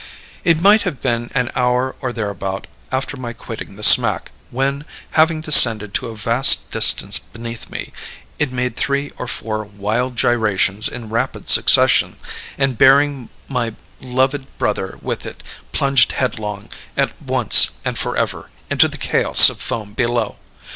"It might have been an hour or thereabout after my quitting the smack, when, having descended to a vast distance beneath me, it made three or four wild gyrations in rapid succession, and bearing my loved brother with it, plunged headlong, at once and forever, into the chaos of foam below.